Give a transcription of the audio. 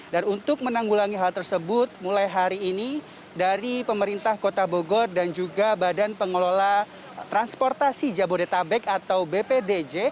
dan untuk menanggulangi hal tersebut mulai hari ini dari pemerintah kota bogor dan juga badan pengelola transportasi jabodetabek atau bpdj